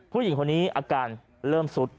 ผู้หญิงคนนี้อาการเริ่มสุด